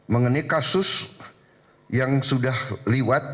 mengenai kasus yang sudah liwat